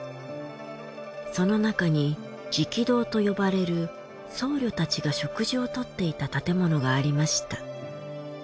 その中に食堂と呼ばれる僧侶たちが食事をとっていた建物がありました。